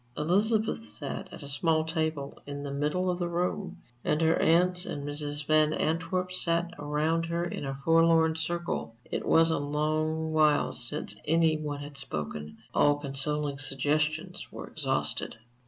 Elizabeth sat at a small table in the middle of the room, and her aunts and Mrs. Van Antwerp sat around her in a forlorn circle. It was a long while since any one had spoken; all consoling suggestions were exhausted.